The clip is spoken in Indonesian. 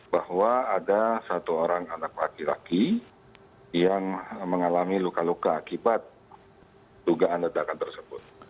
bahwa ada satu orang anak laki laki yang mengalami luka luka akibat dugaan ledakan tersebut